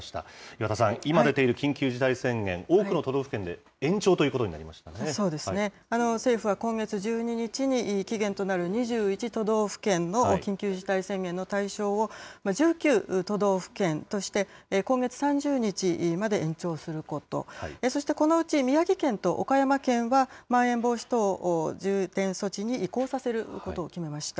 岩田さん、今出ている緊急事態宣言、多くの都道府県で延長ということになりそうですね、政府は今月１２日に期限となる２１都道府県の緊急事態宣言の対象を、１９都道府県として、今月３０日まで延長すること、そして、このうち宮城県と岡山県は、まん延防止等重点措置に移行させることを決めました。